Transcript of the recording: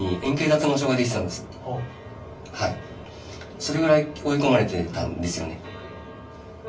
それぐらい追い込まれてたんですよね。